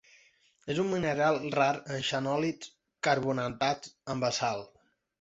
És un mineral rar en xenòlits carbonatats en basalt.